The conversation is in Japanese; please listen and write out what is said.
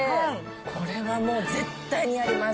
これはもう、絶対にやります。